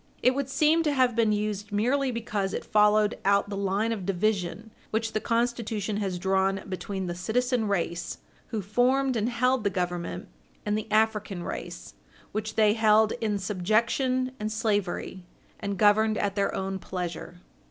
It would seem to have been used merely because it followed out the line of division which the Constitution has drawn between the citizen race, who formed and held the Government, and the African race, which they held in subjection and slavery and governed at their own pleasure.